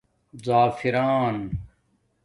زَعفران